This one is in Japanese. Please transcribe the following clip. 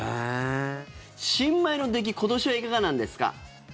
新米の出来今年はいかがなんですか？